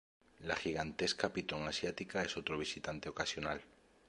La gigantesca pitón asiática es otro visitante ocasional.